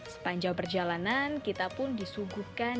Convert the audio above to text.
sepanjang perjalanan kita pun disuguhkan